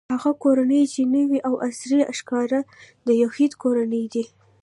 هغه کورونه چې نوې او عصري ښکاري د یهودو کورونه دي.